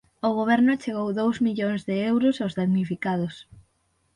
O Goberno achegou dous millóns de euros aos damnificados.